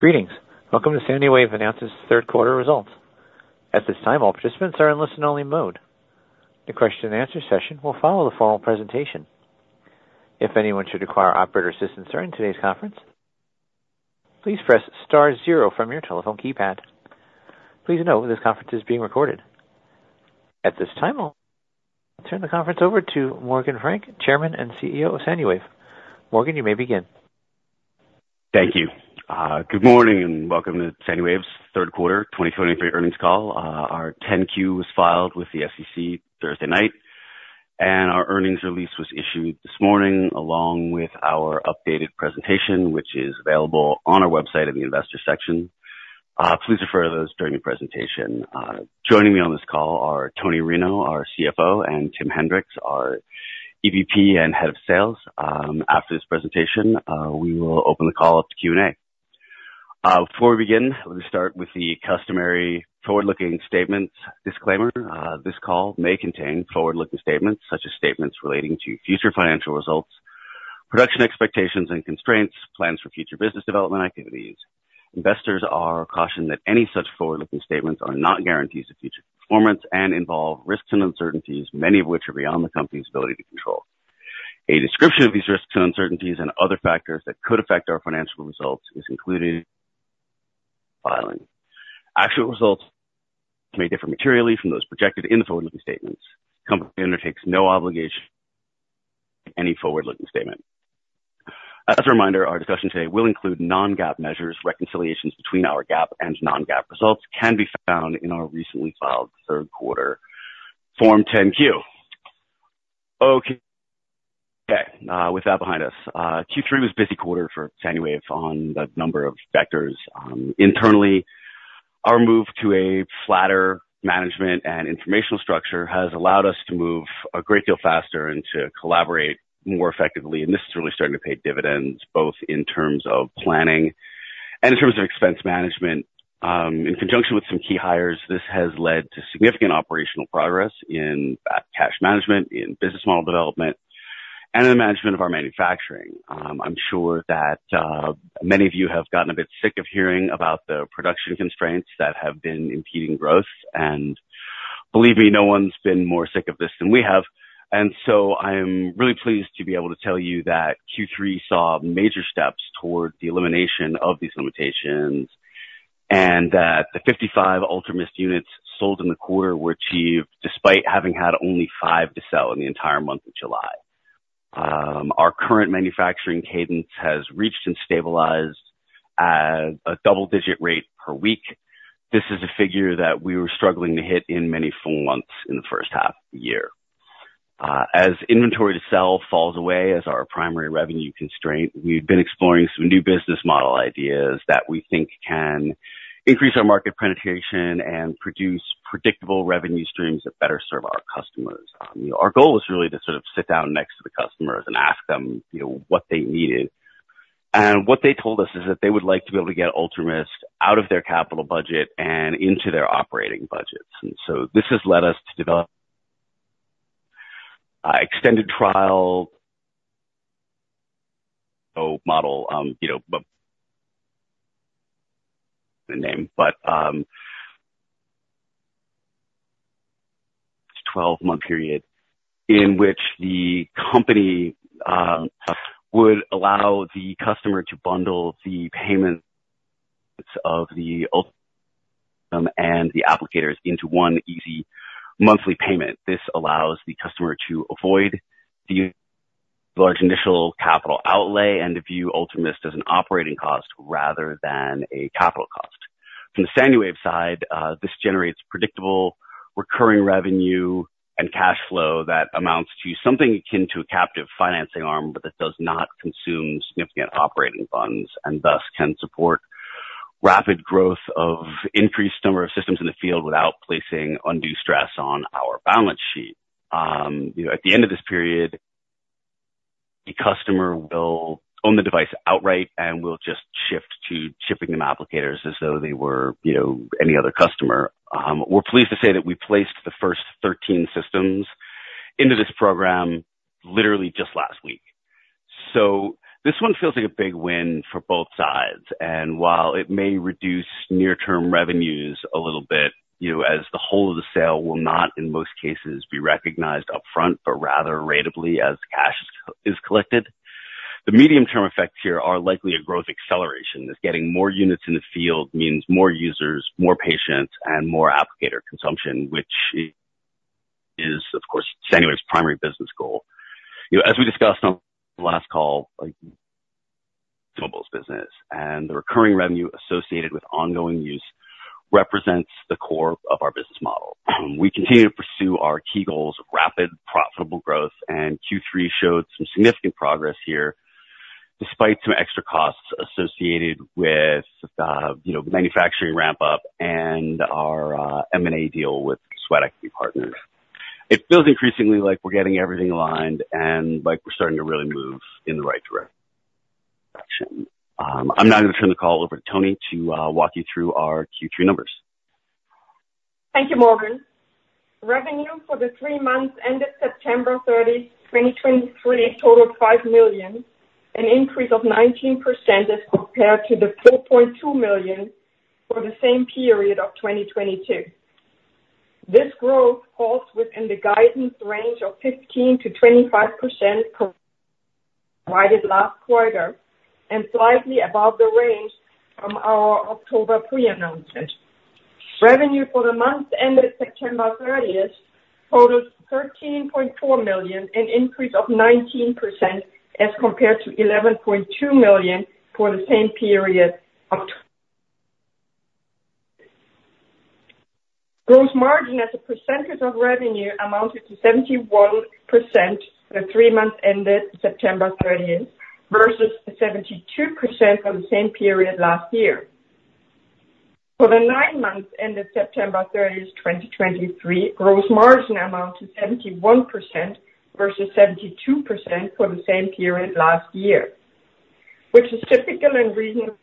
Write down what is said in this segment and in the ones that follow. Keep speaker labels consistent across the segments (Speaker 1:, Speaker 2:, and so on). Speaker 1: Greetings. Welcome to SANUWAVE announces third quarter results. At this time, all participants are in listen-only mode. The question and answer session will follow the formal presentation. If anyone should require operator assistance during today's conference, please press star zero from your telephone keypad. Please note this conference is being recorded. At this time, I'll turn the conference over to Morgan Frank, Chairman and CEO of SANUWAVE. Morgan, you may begin.
Speaker 2: Thank you. Good morning, and welcome to SANUWAVE's third quarter 2023 earnings call. Our 10-Q was filed with the SEC Thursday night, and our earnings release was issued this morning, along with our updated presentation, which is available on our website in the investor section. Please refer to those during the presentation. Joining me on this call are Toni Rinow, our CFO, and Tim Hendricks, our EVP and Head of Sales. After this presentation, we will open the call up to Q&A. Before we begin, let me start with the customary forward-looking statement disclaimer. This call may contain forward-looking statements such as statements relating to future financial results, production expectations and constraints, plans for future business development activities. Investors are cautioned that any such forward-looking statements are not guarantees of future performance and involve risks and uncertainties, many of which are beyond the company's ability to control. A description of these risks and uncertainties and other factors that could affect our financial results is included in filing. Actual results may differ materially from those projected in the forward-looking statements. Company undertakes no obligation any forward-looking statement. As a reminder, our discussion today will include non-GAAP measures. Reconciliations between our GAAP and non-GAAP results can be found in our recently filed third quarter Form 10-Q. Okay, with that behind us, Q3 was a busy quarter for SANUWAVE on a number of vectors. Internally, our move to a flatter management and informational structure has allowed us to move a great deal faster and to collaborate more effectively. This is really starting to pay dividends, both in terms of planning and in terms of expense management. In conjunction with some key hires, this has led to significant operational progress in cash management, in business model development, and in the management of our manufacturing. I'm sure that many of you have gotten a bit sick of hearing about the production constraints that have been impeding growth, and believe me, no one's been more sick of this than we have. So I'm really pleased to be able to tell you that Q3 saw major steps toward the elimination of these limitations, and that the 55 UltraMIST units sold in the quarter were achieved despite having had only five to sell in the entire month of July. Our current manufacturing cadence has reached and stabilized at a double-digit rate per week. This is a figure that we were struggling to hit in many full months in the first half of the year. As inventory to sell falls away as our primary revenue constraint, we've been exploring some new business model ideas that we think can increase our market penetration and produce predictable revenue streams that better serve our customers. Our goal is really to sort of sit down next to the customers and ask them, you know, what they needed. And what they told us is that they would like to be able to get UltraMIST out of their capital budget and into their operating budgets. And so this has led us to develop extended trial model. You know, it's a 12-month period in which the company would allow the customer to bundle the payments of the UltraMIST and the applicators into one easy monthly payment. This allows the customer to avoid the large initial capital outlay and to view UltraMIST as an operating cost rather than a capital cost. From the SANUWAVE side, this generates predictable recurring revenue and cash flow that amounts to something akin to a captive financing arm, but that does not consume significant operating funds and thus can support rapid growth of increased number of systems in the field without placing undue stress on our balance sheet. You know, at the end of this period, the customer will own the device outright, and we'll just shift to shipping them applicators as though they were, you know, any other customer. We're pleased to say that we placed the first 13 systems into this program literally just last week. So this one feels like a big win for both sides. And while it may reduce near-term revenues a little bit, you know, as the whole of the sale will not, in most cases, be recognized upfront, but rather ratably as cash is collected, the medium-term effects here are likely a growth acceleration, as getting more units in the field means more users, more patients, and more applicator consumption, which is, of course, SANUWAVE's primary business goal. You know, as we discussed on the last call, like business, and the recurring revenue associated with ongoing use represents the core of our business model. We continue to pursue our key goals of rapid, profitable growth, and Q3 showed some significant progress here, despite some extra costs associated with, you know, manufacturing ramp-up and our M&A deal with Sweat Equity Partners. It feels increasingly like we're getting everything aligned and like we're starting to really move in the right direction. I'm now going to turn the call over to Toni to walk you through our Q3 numbers.
Speaker 3: Thank you, Morgan. Revenue for the three months ended September 30, 2023 totaled $5 million, an increase of 19% as compared to the $4.2 million for the same period of 2022. This growth falls within the guidance range of 15%-25% provided last quarter and slightly above the range from our October pre-announcement. Revenue for the month ended September 30 totaled $13.4 million, an increase of 19% as compared to $11.2 million for the same period of. Gross margin as a percentage of revenue amounted to 71% for the three months ended September 30, versus 72% for the same period last year. For the nine months ended September 30, 2023, gross margin amounted to 71% versus 72% for the same period last year, which is typical and reasonable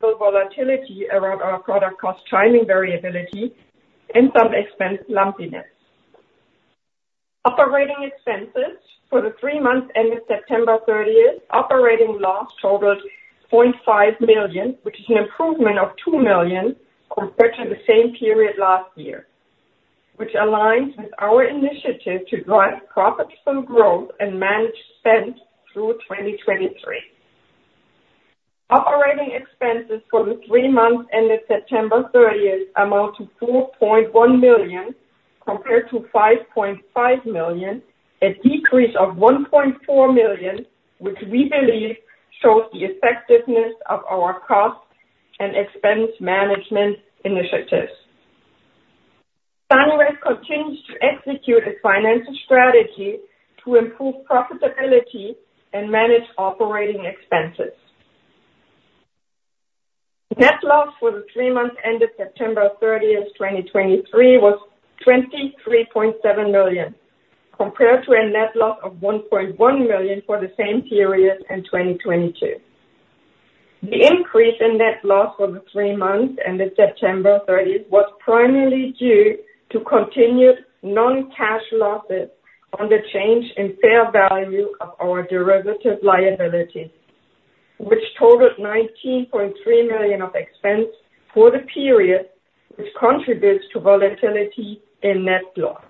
Speaker 3: volatility around our product cost timing variability and some expense lumpiness. Operating expenses for the three months ended September 30, operating loss totaled $0.5 million, which is an improvement of $2 million compared to the same period last year, which aligns with our initiative to drive profitable growth and manage spend through 2023. Operating expenses for the three months ended September 30 amount to $4.1 million, compared to $5.5 million, a decrease of $1.4 million, which we believe shows the effectiveness of our cost and expense management initiatives. SANUWAVE continues to execute its financial strategy to improve profitability and manage operating expenses. Net loss for the three months ended September 30, 2023, was $23.7 million, compared to a net loss of $1.1 million for the same period in 2022. The increase in net loss for the three months ended September 30 was primarily due to continued non-cash losses on the change in fair value of our derivative liabilities, which totaled $19.3 million of expense for the period, which contributes to volatility in net loss.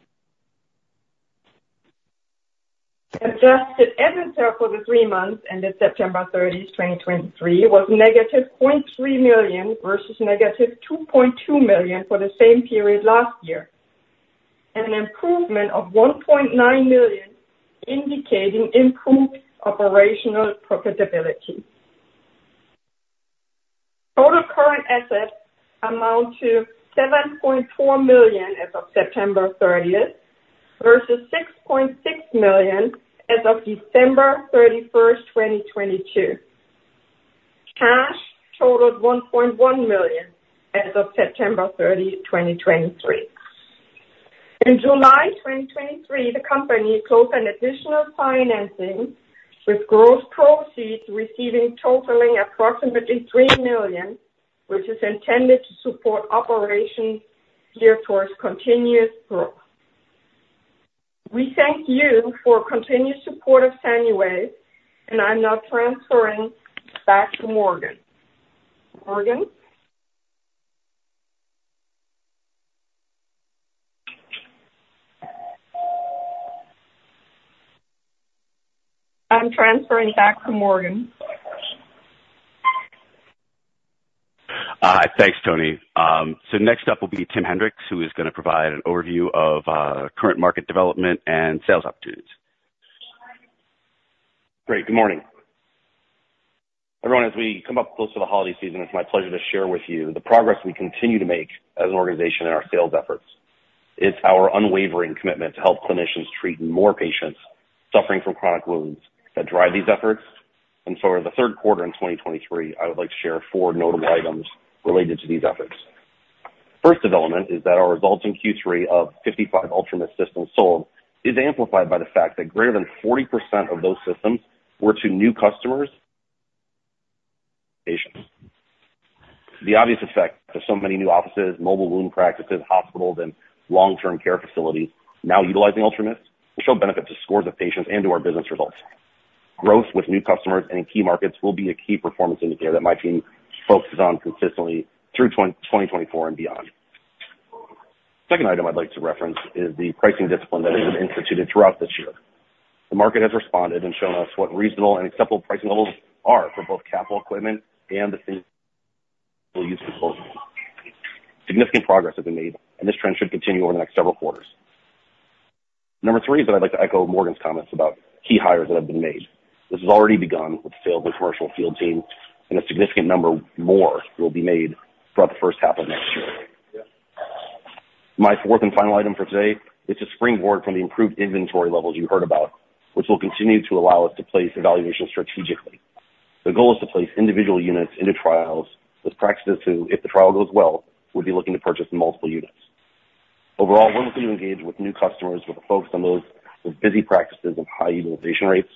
Speaker 3: Adjusted EBITDA for the three months ended September 30, 2023, was -$0.3 million versus -$2.2 million for the same period last year, an improvement of $1.9 million, indicating improved operational profitability. Total current assets amount to $7.4 million as of September 30, versus $6.6 million as of December 31, 2022. Cash totaled $1.1 million as of September 30, 2023. In July 2023, the company closed an additional financing, with gross proceeds receiving totaling approximately $3 million, which is intended to support operations geared towards continuous growth. We thank you for continued support of SANUWAVE, and I'm now transferring back to Morgan. Morgan? I'm transferring back to Morgan.
Speaker 2: Thanks, Toni. Next up will be Tim Hendricks, who is going to provide an overview of current market development and sales opportunities.
Speaker 4: Great. Good morning, everyone. As we come up close to the holiday season, it's my pleasure to share with you the progress we continue to make as an organization in our sales efforts. It's our unwavering commitment to help clinicians treat more patients suffering from chronic wounds that drive these efforts. And so for the third quarter in 2023, I would like to share four notable items related to these efforts. First development is that our results in Q3 of 55 UltraMIST systems sold is amplified by the fact that greater than 40% of those systems were to new customers, patients. The obvious effect of so many new offices, mobile wound practices, hospitals and long-term care facilities now utilizing UltraMIST will show benefit to scores of patients and to our business results. Growth with new customers and in key markets will be a key performance indicator that my team focuses on consistently through 2024 and beyond. Second item I'd like to reference is the pricing discipline that has been instituted throughout this year. The market has responded and shown us what reasonable and acceptable pricing levels are for both capital equipment and the single-use disposable. Significant progress has been made, and this trend should continue over the next several quarters. Number three, I'd like to echo Morgan's comments about key hires that have been made. This has already begun with the sales and commercial field team, and a significant number more will be made throughout the first half of next year. My fourth and final item for today is a springboard from the improved inventory levels you heard about, which will continue to allow us to place evaluations strategically. The goal is to place individual units into trials with practices who, if the trial goes well, would be looking to purchase multiple units. Overall, we're looking to engage with new customers, with a focus on those with busy practices and high utilization rates,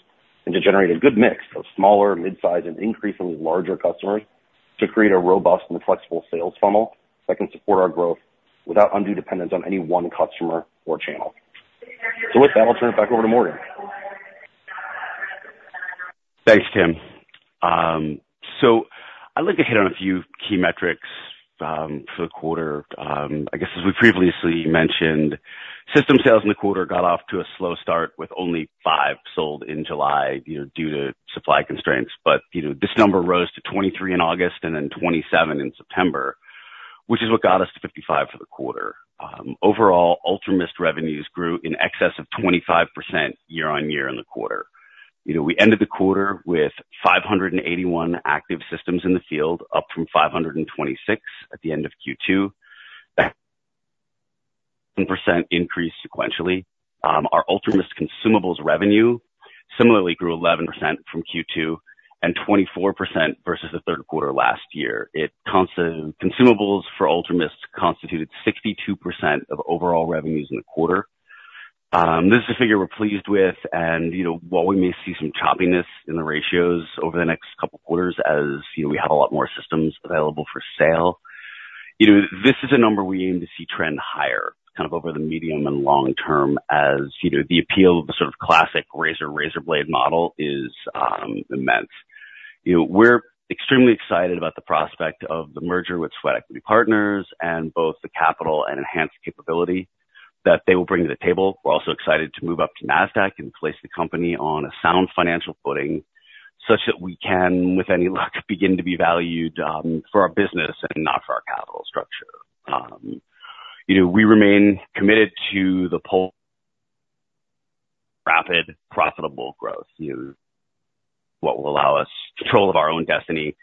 Speaker 4: and to generate a good mix of smaller, mid-sized and increasingly larger customers to create a robust and flexible sales funnel that can support our growth without undue dependence on any one customer or channel. So with that, I'll turn it back over to Morgan.
Speaker 2: Thanks, Tim. So I'd like to hit on a few key metrics for the quarter. I guess as we previously mentioned, system sales in the quarter got off to a slow start, with only five sold in July, you know, due to supply constraints. But, you know, this number rose to 23 in August and then 27 in September, which is what got us to 55 for the quarter. Overall, UltraMIST revenues grew in excess of 25% year-on-year in the quarter. You know, we ended the quarter with 581 active systems in the field, up from 526 at the end of Q2. That percent increased sequentially. Our UltraMIST consumables revenue similarly grew 11% from Q2 and 24% versus the third quarter last year. Consumables for UltraMIST constituted 62% of overall revenues in the quarter. This is a figure we're pleased with, and, you know, while we may see some choppiness in the ratios over the next couple quarters, as, you know, we have a lot more systems available for sale, you know, this is a number we aim to see trend higher kind of over the medium and long term, as, you know, the appeal of the sort of classic razor, razor blade model is immense. You know, we're extremely excited about the prospect of the merger with Sweat Equity Partners and both the capital and enhanced capability that they will bring to the table. We're also excited to move up to Nasdaq and place the company on a sound financial footing, such that we can, with any luck, begin to be valued for our business and not for our capital structure. You know, we remain committed to the pursuit of rapid, profitable growth, you know, what will allow us control of our own destiny.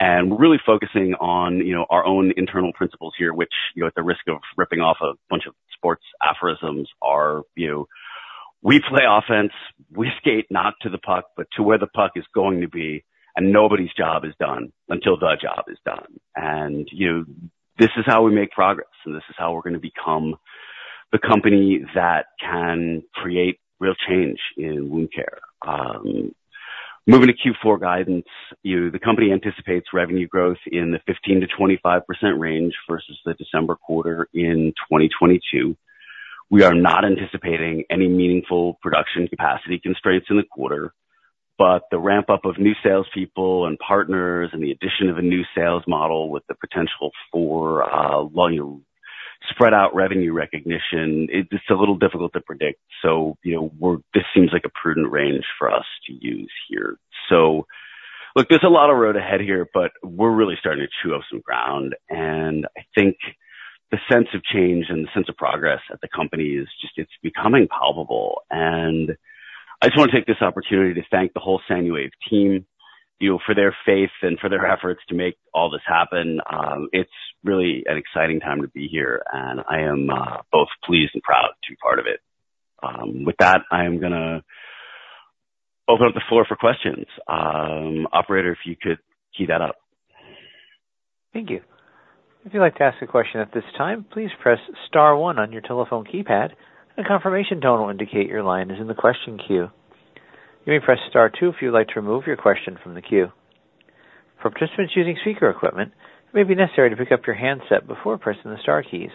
Speaker 2: And we're really focusing on, you know, our own internal principles here, which, you know, at the risk of ripping off a bunch of sports aphorisms, are, you know, we play offense, we skate not to the puck, but to where the puck is going to be, and nobody's job is done until the job is done. And you, this is how we make progress, and this is how we're going to become the company that can create real change in wound care. Moving to Q4 guidance, you know, the company anticipates revenue growth in the 15%-25% range versus the December quarter in 2022. We are not anticipating any meaningful production capacity constraints in the quarter, but the ramp up of new salespeople and partners and the addition of a new sales model with the potential for spread out revenue recognition, it's a little difficult to predict. So, you know, this seems like a prudent range for us to use here. So look, there's a lot of road ahead here, but we're really starting to chew up some ground, and I think the sense of change and the sense of progress at the company is just, it's becoming palpable. I just want to take this opportunity to thank the whole SANUWAVE team, you know, for their faith and for their efforts to make all this happen. It's really an exciting time to be here, and I am both pleased and proud to be part of it. With that, I'm gonna open up the floor for questions. Operator, if you could queue that up.
Speaker 1: Thank you. If you'd like to ask a question at this time, please press star one on your telephone keypad. A confirmation tone will indicate your line is in the question queue. You may press star two if you'd like to remove your question from the queue. For participants using speaker equipment, it may be necessary to pick up your handset before pressing the star keys.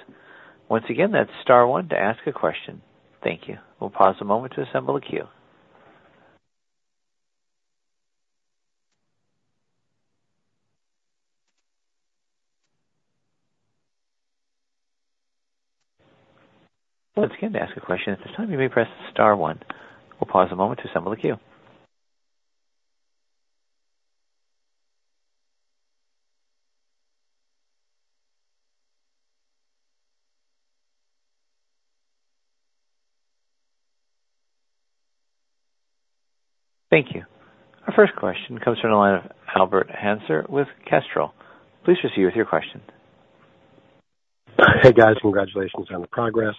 Speaker 1: Once again, that's star one to ask a question. Thank you. We'll pause a moment to assemble the queue. Once again, to ask a question at this time, you may press star one. We'll pause a moment to assemble the queue. Thank you. Our first question comes from the line of Albert Hanser with Kestrel. Please proceed with your question.
Speaker 5: Hey, guys. Congratulations on the progress.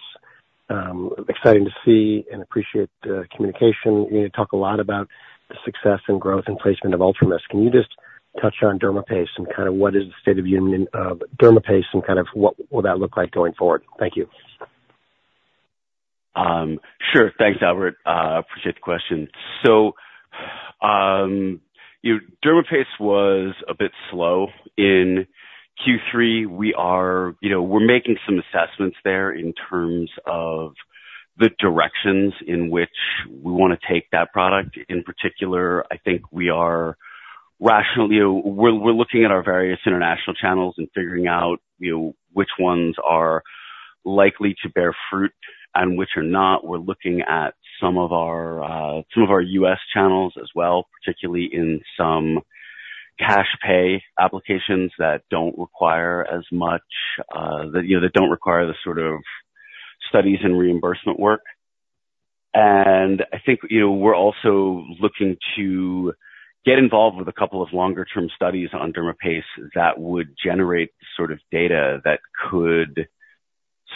Speaker 5: Exciting to see and appreciate the communication. You talk a lot about the success and growth and placement of UltraMIST. Can you just touch on dermaPACE and kind of what is the state of union of dermaPACE and kind of what will that look like going forward? Thank you.
Speaker 2: Sure. Thanks, Albert. Appreciate the question. So, you know, dermaPACE was a bit slow in Q3. We are, you know, we're making some assessments there in terms of the directions in which we want to take that product. In particular, I think we are rational. You know, we're, we're looking at our various international channels and figuring out, you know, which ones are likely to bear fruit and which are not. We're looking at some of our, some of our U.S. channels as well, particularly in some cash pay applications that don't require as much, you know, that don't require the sort of studies and reimbursement work. I think, you know, we're also looking to get involved with a couple of long-term studies on dermaPACE that would generate the sort of data that could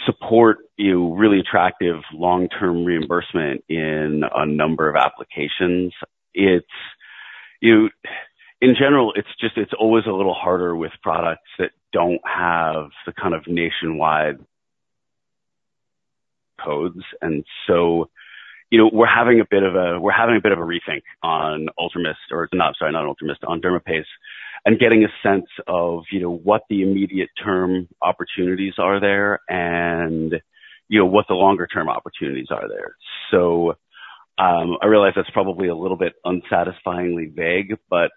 Speaker 2: support, you know, really attractive long-term reimbursement in a number of applications. It's just, in general, it's always a little harder with products that don't have the kind of nationwide codes. So, you know, we're having a bit of a rethink on UltraMIST or not, sorry, not UltraMIST, on dermaPACE, and getting a sense of, you know, what the immediate term opportunities are there and, you know, what the long-term opportunities are there. So, I realize that's probably a little bit unsatisfyingly vague, but,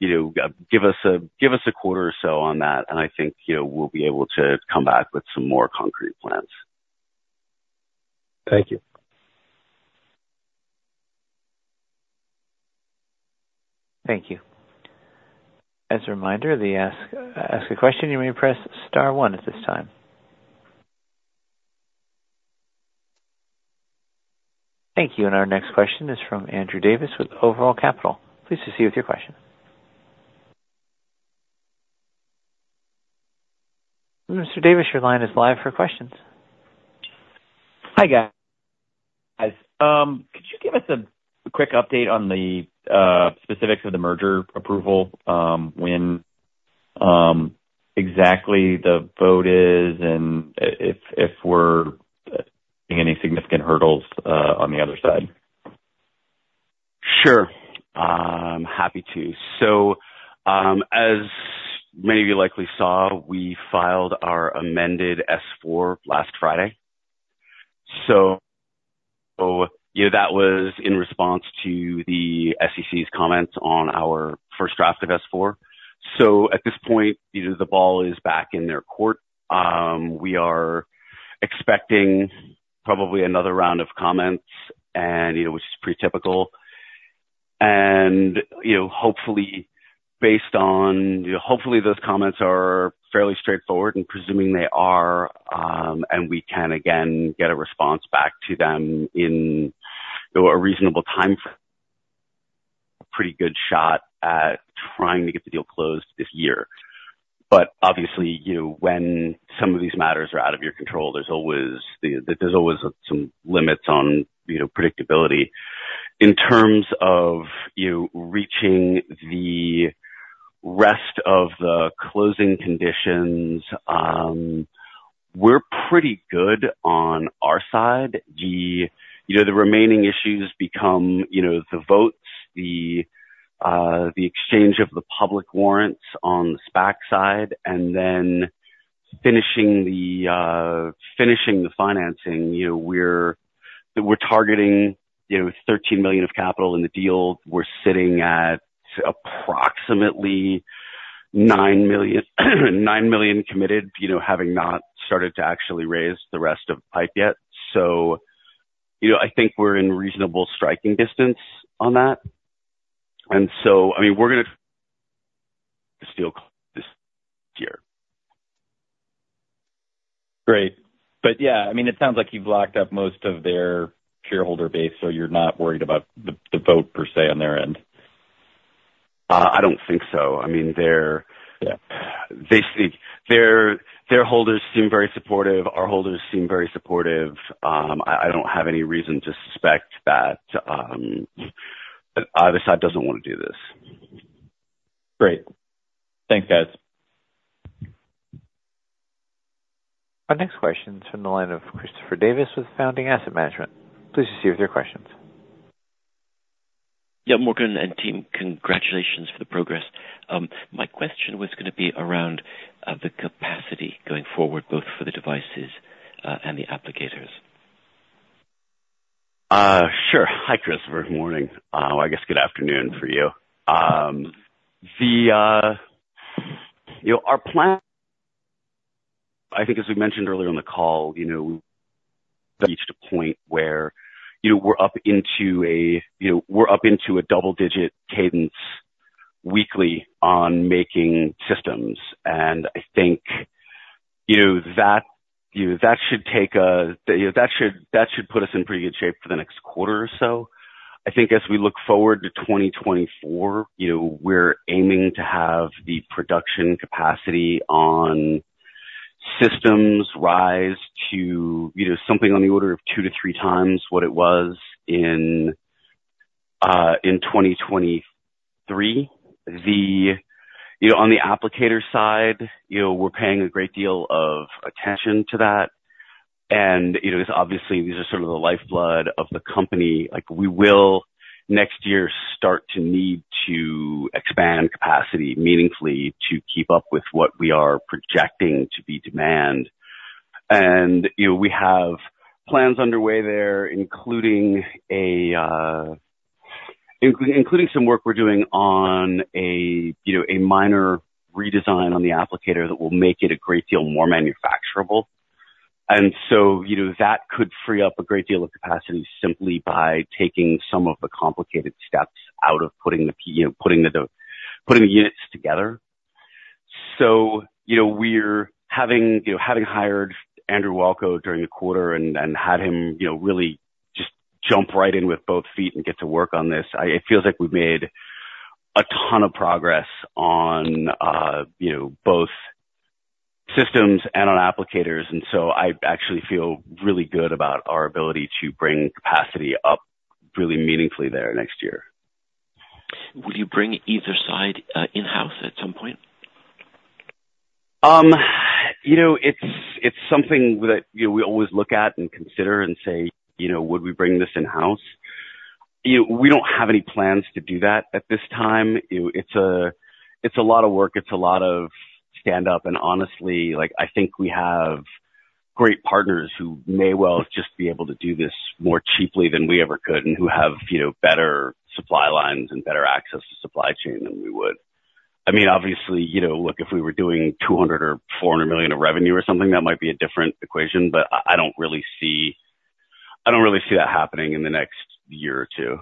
Speaker 2: you know, give us a quarter or so on that, and I think, you know, we'll be able to come back with some more concrete plans.
Speaker 6: Thank you.
Speaker 1: Thank you. As a reminder, to ask a question, you may press star one at this time. Thank you. Our next question is from Andrew Davis with Overall Capital. Please proceed with your question. Mr. Davis, your line is live for questions.
Speaker 7: Hi, guys. Could you give us a quick update on the specifics of the merger approval, when exactly the vote is and if there are any significant hurdles on the other side?
Speaker 2: Sure. I'm happy to. So, as many of you likely saw, we filed our amended S-4 last Friday. So, you know, that was in response to the SEC's comments on our first draft of S-4. So at this point, you know, the ball is back in their court. We are expecting probably another round of comments and, you know, which is pretty typical. And, you know, hopefully based on, you know, hopefully those comments are fairly straightforward and presuming they are, and we can again, get a response back to them in, you know, a reasonable time frame, pretty good shot at trying to get the deal closed this year. But obviously, you know, when some of these matters are out of your control, there's always, there's always some limits on, you know, predictability. In terms of you reaching the rest of the closing conditions, we're pretty good on our side. You know, the remaining issues become, you know, the votes, the exchange of the public warrants on the SPAC side, and then finishing the financing. You know, we're targeting, you know, $13 million of capital in the deal. We're sitting at approximately $9 million, $9 million committed, you know, having not started to actually raise the rest of PIPE yet. So, you know, I think we're in reasonable striking distance on that. And so, I mean, we're gonna this deal this year.
Speaker 7: Great. But yeah, I mean, it sounds like you've locked up most of their shareholder base, so you're not worried about the vote per se, on their end.
Speaker 2: I don't think so. I mean, they're, their holders seem very supportive. Our holders seem very supportive. I don't have any reason to suspect that either side doesn't want to do this.
Speaker 7: Great. Thanks, guys.
Speaker 1: Our next question is from the line of Christopher Davis with Fountain Asset Management. Please proceed with your questions.
Speaker 6: Yeah, Morgan and team, congratulations for the progress. My question was going to be around the capacity going forward, both for the devices and the applicators.
Speaker 2: Sure. Hi, Christopher. Morning. I guess good afternoon for you. You know, our plan, I think as we mentioned earlier in the call, you know, reached a point where, you know, we're up into a double-digit cadence weekly on making systems. And I think, you know, that, you know, that should take a, you know, that should, that should put us in pretty good shape for the next quarter or so. I think as we look forward to 2024, you know, we're aiming to have the production capacity on systems rise to, you know, something on the order of 2-3 times what it was in 2023. You know, on the applicator side, you know, we're paying a great deal of attention to that. You know, it's obviously these are some of the lifeblood of the company. Like, we will next year start to need to expand capacity meaningfully to keep up with what we are projecting to be demand. And, you know, we have plans underway there, including some work we're doing on a, you know, a minor redesign on the applicator that will make it a great deal more manufacturable. And so, you know, that could free up a great deal of capacity simply by taking some of the complicated steps out of putting the units together. So, you know, we have hired Andrew Wilcho during the quarter and had him, you know, really just jump right in with both feet and get to work on this. It feels like we've made a ton of progress on, you know, both systems and on applicators, and so I actually feel really good about our ability to bring capacity up really meaningfully there next year.
Speaker 6: Will you bring either side in-house at some point?
Speaker 2: You know, it's something that, you know, we always look at and consider and say, you know, would we bring this in-house? You know, we don't have any plans to do that at this time. You know, it's a, it's a lot of work, it's a lot of stand up, and honestly, like, I think we have great partners who may well just be able to do this more cheaply than we ever could and who have, you know, better supply lines and better access to supply chain than we would. I mean, obviously, you know, look, if we were doing $200 million or $400 million of revenue or something, that might be a different equation, but I don't really see that happening in the next year or two.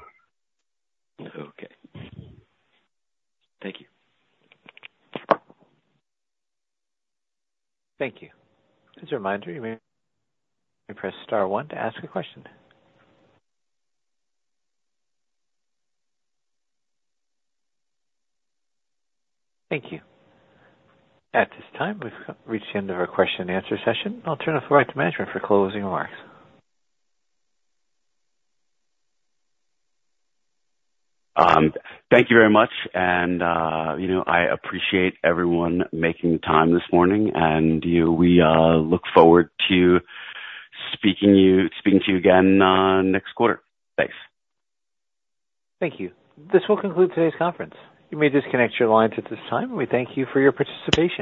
Speaker 6: Okay. Thank you.
Speaker 1: Thank you. As a reminder, you may press star one to ask a question. Thank you. At this time, we've reached the end of our question and answer session. I'll turn the floor back to management for closing remarks.
Speaker 2: Thank you very much. You know, I appreciate everyone making the time this morning, and we look forward to speaking to you again next quarter. Thanks.
Speaker 1: Thank you. This will conclude today's conference. You may disconnect your lines at this time, and we thank you for your participation.